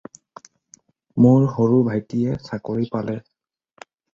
মোৰ সৰু ভাইটিয়ে চাকৰি পালে।